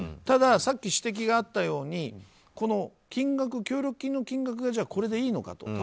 たださっき指摘があったように協力金の金額がじゃあ、これでいいのかと。